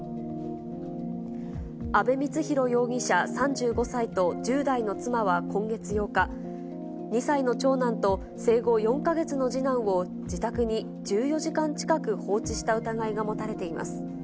阿部光浩容疑者３５歳と１０代の妻は今月８日、２歳の長男と生後４か月の次男を、自宅に１４時間近く放置した疑いが持たれています。